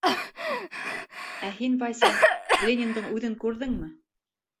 — Ә һин, Вася, Лениндың үҙен күрҙеңме?